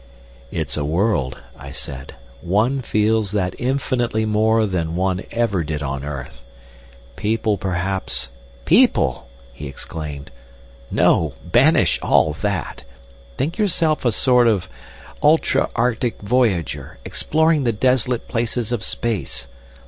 "It's a world," I said; "one feels that infinitely more than one ever did on earth. People perhaps—" "People!" he exclaimed. "No! Banish all that! Think yourself a sort of ultra arctic voyager exploring the desolate places of space.